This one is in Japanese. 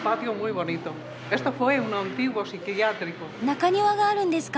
中庭があるんですか。